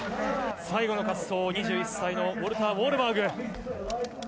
最後の滑走２１歳のウォルター・ウォーグバーグ。